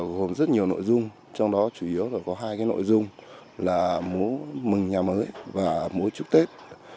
gồm rất nhiều nội dung trong đó chủ yếu là có hai nội dung là múa mừng nhà mới và múa chúc tết